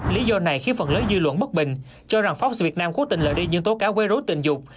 lý do này khiến phần lớn dư luận bất bình cho rằng fox việt nam cố tình lợi đi những tố cáo quấy rối tình dục